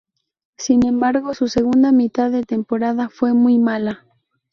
Sin embargo, su segunda mitad de temporada fue muy mala.